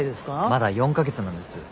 まだ４か月なんです。